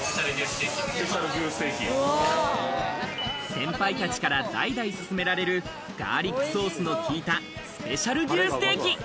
先輩たちから代々すすめられるガーリックソースの効いたスペシャル牛ステーキ。